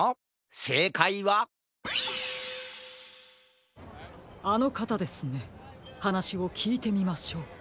せいかいはあのかたですねはなしをきいてみましょう。